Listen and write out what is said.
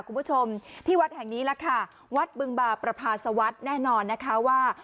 คุณผู้ชมที่วัดแห่งนี้ล่ะค่ะวัดบึงบาประพาสวัสดิ์แน่นอนนะคะว่า